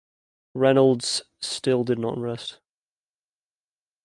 Reynolds still did not rest.